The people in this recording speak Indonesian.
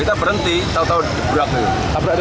kita berhenti tau tau di belakang